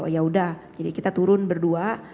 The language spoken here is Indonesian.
oh yaudah jadi kita turun berdua